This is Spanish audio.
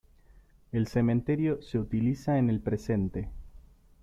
El cementerio se utiliza en el presente.